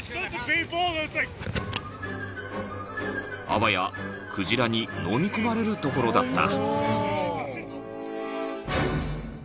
［あわやクジラにのみ込まれるところだった］